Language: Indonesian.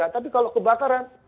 tapi kalau kebakaran